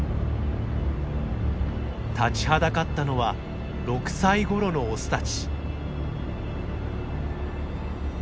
立ちはだかったのは６歳ごろのオスたち。